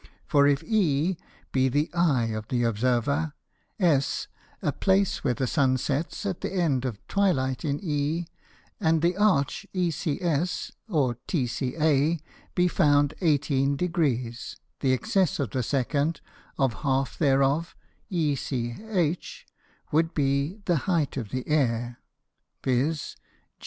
For if E be the Eye of the Observer, S a Place where the Sun sets at the end of Twilight in E, and the Arch ECS, or TCA, be found 18 Degrees, the excess of the Secant of half thereof ECH, would be the height of the Air, _viz.